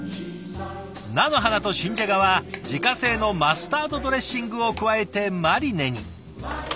菜の花と新じゃがは自家製のマスタードドレッシングを加えてマリネに。